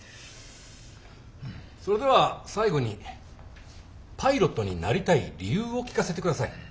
それでは最後にパイロットになりたい理由を聞かせてください。